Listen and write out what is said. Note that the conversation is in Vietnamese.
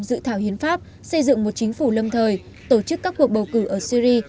dự thảo hiến pháp xây dựng một chính phủ lâm thời tổ chức các cuộc bầu cử ở syri